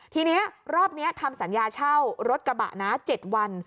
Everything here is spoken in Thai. ทีนี้รอบนี้ทำสัญญาเช่ารถกระบะนะ๗วัน